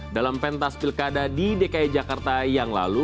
dalam pentas pilkada di dki jakarta yang lalu